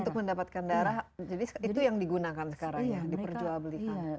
untuk mendapatkan darah jadi itu yang digunakan sekarang ya diperjual belikan